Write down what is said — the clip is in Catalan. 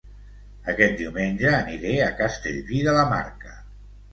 Aquest diumenge aniré a Castellví de la Marca